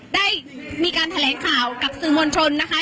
ได้มีการแถลงข่าวกับสื่อมวลชนนะคะ